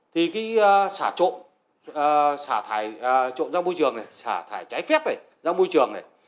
thì cái xả trộn xả thải trộn ra môi trường này xả thải trái phép này ra môi trường này